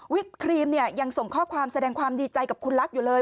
ครีมเนี่ยยังส่งข้อความแสดงความดีใจกับคุณลักษณ์อยู่เลย